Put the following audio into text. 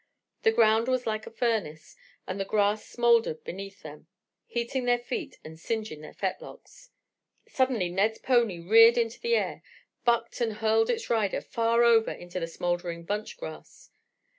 The ground was like a furnace and the grass smouldered beneath them, heating their feet and singeing their fetlocks. Suddenly Ned's pony reared into the air, bucked and hurled its rider far over into the smouldering bunch grass.